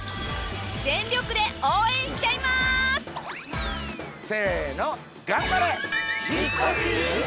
全力で応援しちゃいます！せの！